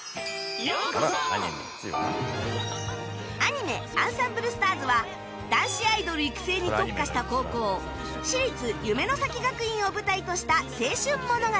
アニメ『あんさんぶるスターズ！』は男子アイドル育成に特化した高校私立夢ノ咲学院を舞台とした青春物語